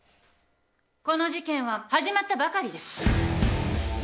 この事件は始まったばかりです。